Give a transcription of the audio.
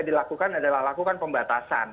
dilakukan adalah lakukan pembatasan